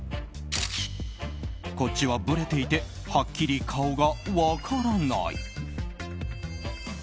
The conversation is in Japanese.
こっちはぶれていてはっきりと顔が分からない。